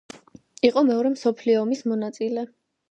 იყო მეორე მსოფლიო ომის მონაწილე.